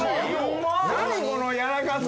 何このやらかさ。